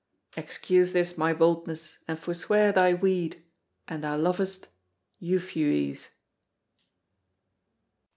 Excuse this my boldness, and forswear thy weed, an thou lovest EUPHUES.